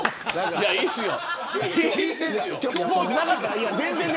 いや、いいですよ。